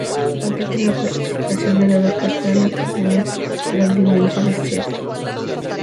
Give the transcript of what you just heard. Cuenta con la participación de la orquesta de la academia londinense de "St.